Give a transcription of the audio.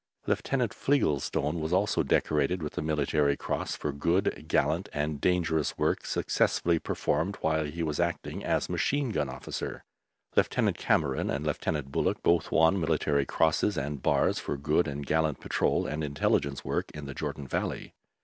Lieutenant Fligelstone was also decorated with the Military Cross for good, gallant, and dangerous work successfully performed while he was acting as machine gun officer. Lieutenant Cameron and Lieutenant Bullock both won Military Crosses and bars for good and gallant patrol and intelligence work in the Jordan Valley.